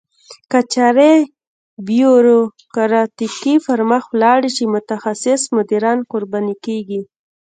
که چارې بیوروکراتیکي پرمخ ولاړې شي متخصص مدیران قرباني کیږي.